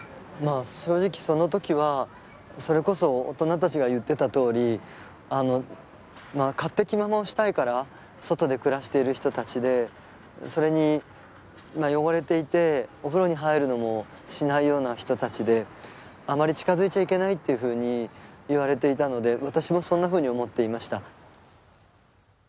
まあ正直その時はそれこそ大人たちが言ってたとおりあの「勝手気ままをしたいから外で暮らしている人たちでそれに汚れていてお風呂に入るのもしないような人たちであまり近づいちゃいけない」っていうふうに言われていたので私もそんなふうに思っていました。